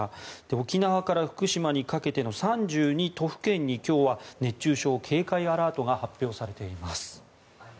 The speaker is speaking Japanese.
沖縄から福島にかけての３２都府県に今日は熱中症警戒アラートが発表されています。